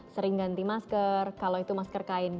sering ganti masker kalau itu masker kain